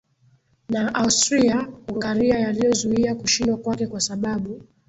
na Austria Hungaria yaliyozuia kushindwa kwake kwa sababu